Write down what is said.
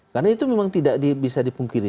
karena itu memang tidak bisa dipungkiri